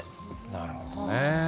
なるほどね。